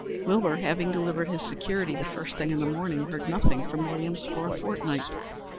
Wilbur having delivered his security the first thing in the morning, heard nothing further from Williams for a fortnight.